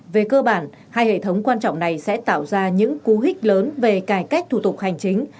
về cơ bản hai hệ thống quan trọng này sẽ tạo ra những cú hích lớn về cải cách thủ tục hành chính